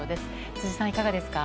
辻さん、いかがですか。